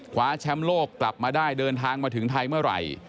คว้าแชมป์โลกกลับมาได้เดินทางมาถึงไทยเมื่อไหร่